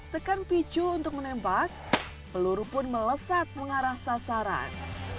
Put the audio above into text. tekan picu untuk menembak peluru pun melesat mengarah sasaran